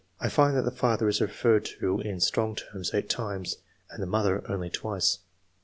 I find that the father is referred to in strong terms eight times, and the mother only twice.